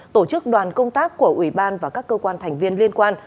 tổ chức đoàn công tác của ủy ban và các cơ quan thành viên liên quan